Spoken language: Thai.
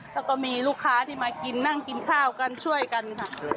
แล้วก็มีลูกค้าที่มากินนั่งกินข้าวกันช่วยกันค่ะ